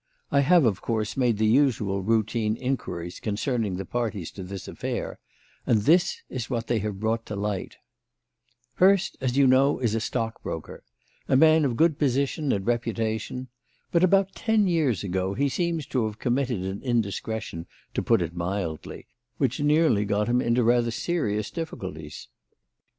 I have, of course, made the usual routine inquiries concerning the parties to this affair, and this is what they have brought to light: "Hurst, as you know, is a stockbroker a man of good position and reputation; but, about ten years ago, he seems to have committed an indiscretion, to put it mildly, which nearly got him into rather serious difficulties.